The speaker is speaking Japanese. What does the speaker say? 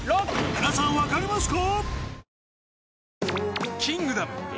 皆さん分かりますか？